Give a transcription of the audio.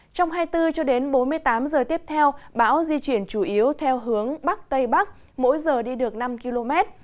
trong hai mươi bốn h cho đến bốn mươi tám h tiếp theo báo di chuyển chủ yếu theo hướng bắc tây bắc mỗi giờ đi được năm km